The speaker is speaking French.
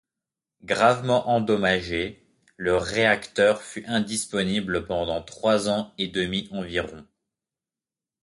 Gravement endommagé, le réacteur fut indisponible pendant trois ans et demi environ.